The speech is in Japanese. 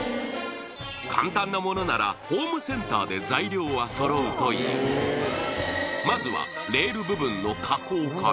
簡単なものならホームセンターで材料は揃うというまずはレール部分の加工から